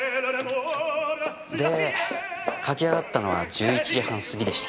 で書き上がったのは１１時半過ぎでした。